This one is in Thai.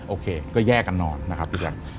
โอเคก็แยกกันนอนนะครับพี่แจ๊ค